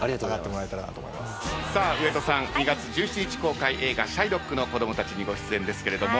２月１７日公開映画『シャイロックの子供たち』にご出演ですけれども。